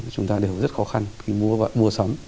chúng ta đều rất khó khăn khi mua sắm